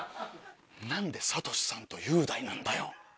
何で「悟志さん」と「雄大」なんだよ。